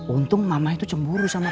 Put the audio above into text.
untung mama itu cemburu sama